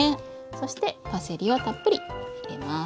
そしてパセリをたっぷり入れます。